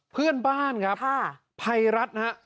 เพื่อนบ้านครับภัยรัฐนะฮะ